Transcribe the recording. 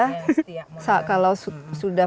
setiap orang kalau sudah